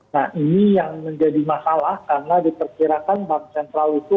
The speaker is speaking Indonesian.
nah ini yang menjadi masalah karena diperkirakan bank sentral itu